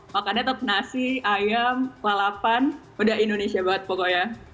makannya tek nasi ayam lalapan udah indonesia banget pokoknya